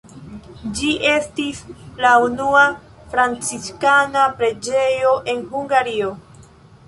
Ĝi estis la unua franciskana preĝejo en Hungario.